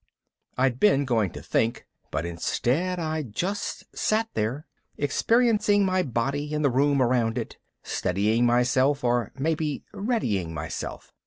I'd been going to think. But instead I just sat there, experiencing my body and the room around it, steadying myself or maybe readying myself.